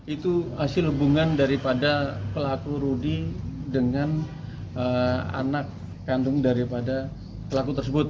itu hasil hubungan daripada pelaku rudy dengan anak kandung daripada pelaku tersebut